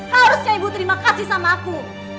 harusnya ibu terima kasih sama aku